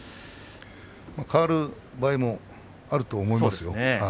変わる場合もあると思いますよ。